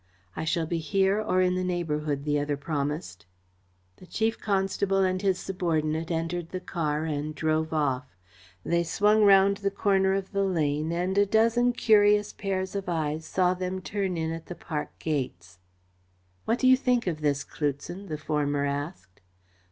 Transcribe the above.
"I shall be here or in the neighbourhood," the other promised. The Chief Constable and his subordinate entered the car and drove off. They swung round the corner of the lane and a dozen curious pairs of eyes saw them turn in at the park gates. "What do you think of this, Cloutson?" the former asked.